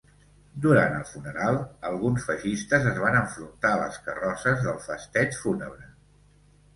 Durant el funeral, alguns feixistes es van enfrontar a les carrosses del festeig fúnebre.